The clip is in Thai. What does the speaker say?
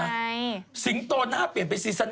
อ๋อแต่สิงโตหน้าเปลี่ยนอีกแล้วนะ